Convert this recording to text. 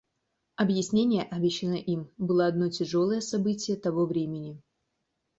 Объяснение, обещанное им, было одно тяжелое событие того времени.